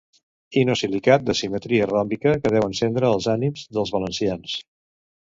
Inosilicat de simetria ròmbica que deu encendre els ànims dels valencians.